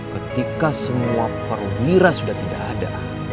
ketika semua perwira sudah tidak ada